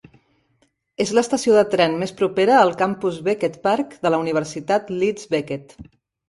És l'estació de tren més propera al campus Beckett Park de la Universitat Leeds Beckett.